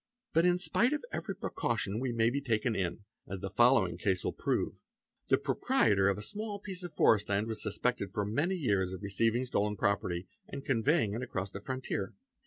But in spite of every precaution we may be taken in, as the foll agp case will prove: the proprietor of a small piece of forest land was sus pected for many years of receiving stolen property and conveying it across the frontier.